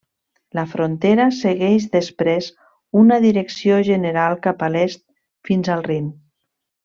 La frontera segueix després una direcció general cap a l'est fins al Rin.